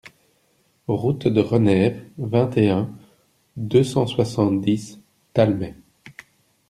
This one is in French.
Route de Renève, vingt et un, deux cent soixante-dix Talmay